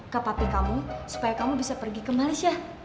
sama papi kamu supaya kamu bisa pergi ke malaysia